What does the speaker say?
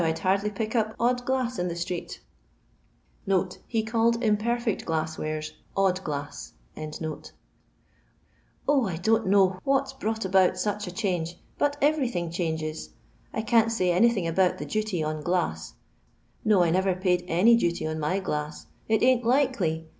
'd hardly pick up odd glass in the street." Had imperfect glass wares ''odd glass."] donH know what 's brought about such a , but OTerything changes. I can't say ig about the duty on glass. No, I neyer y duty on my glass ; it ain't likely.